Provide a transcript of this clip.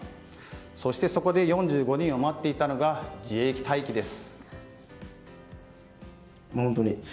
そしてそこで４５人を待っていたのが自衛隊機です。